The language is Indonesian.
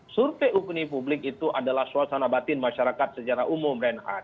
survei opini publik itu adalah suasana batin masyarakat secara umum reinhardt